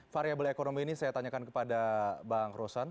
variable ekonomi ini saya tanyakan kepada bang rosan